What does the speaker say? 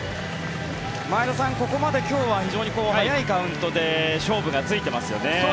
前田さん、ここまで今日は非常に早いカウントで勝負がついていますよね。